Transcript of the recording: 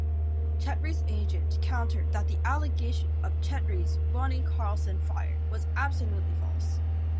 Chetry's agent countered that the allegation of Chetry's wanting Carlson fired was "absolutely false".